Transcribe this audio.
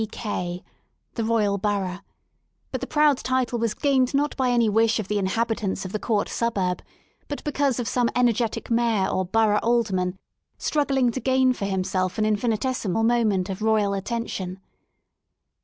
B,K," — the Royal Borough — ^but the proud title was gained not by any wish of the inhabitants of the Court suburb, but because of some energetic mayor or borough alderman struggling to gain for himself an infinitesimal moment of Royal attention.